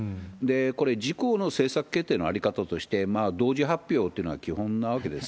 これ、自公の政策決定の在り方として、同時発表ってのが基本なわけです。